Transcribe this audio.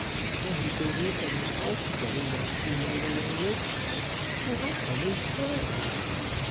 I won't believe that he's hal together not to be made away with, for how come his eye out?